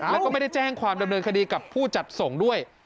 แล้วก็ไม่ได้แจ้งความดำเนินคดีกับผู้จัดส่งด้วย